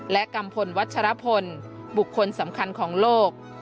และกัมพลวัชรพลบุคคลสำคัญของโลก